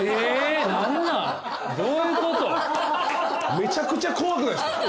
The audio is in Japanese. めちゃくちゃ怖くないっすか？